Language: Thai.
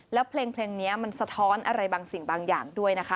แล้วเพลงนี้มันสะท้อนอะไรบางสิ่งบางอย่างด้วยนะคะ